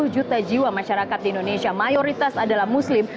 dua ratus lima puluh juta jiwa masyarakat di indonesia mayoritas adalah muslim